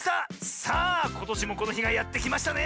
さあことしもこのひがやってきましたね。